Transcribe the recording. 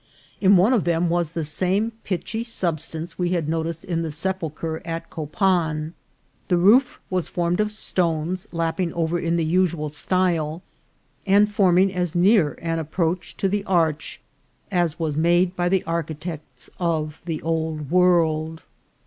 In one of them was the same pitchy substance we had noticed in the sepulchre at Copan. The roof was formed of stones, lapping over in the usual style, and forming as near an approach to the arch as was made by the architects of the Old World.